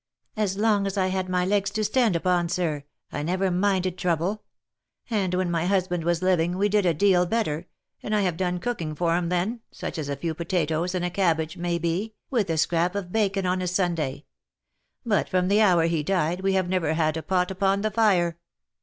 " As long as I had my legs to stand upon, sir, I never minded trouble ; and, when my husband was living, we did a deal better, and 1 have done cooking for 'em then, such as a few potatoes and a cabbage, may be, with a scrap of bacon on a Sunday ; but, from the hour he died, we have never had a pot upon the fire."